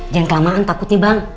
jangan kelamaan takut nih bang